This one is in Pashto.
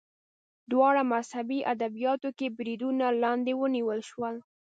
دواړه مذهبي ادبیاتو کې بریدونو لاندې ونیول شول